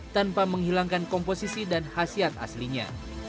tanpa menghilangkan komposisi dan khasiat aslinya